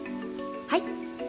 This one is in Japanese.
はい？